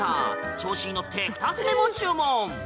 調子に乗って２つ目も注文！